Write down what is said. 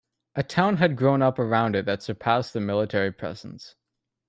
A town had grown up around it that surpassed the military presence.